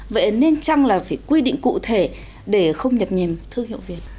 vậy nên chăng là phải quy định cụ thể để không nhập nhềm thương hiệu việt